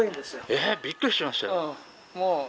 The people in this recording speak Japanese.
ええ？びっくりしました。